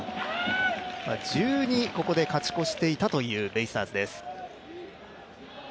１２、ここで勝ち越していたというベイスターズです。